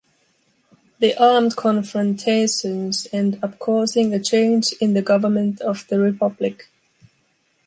The armed confrontations end up causing a change in the Government of the Republic.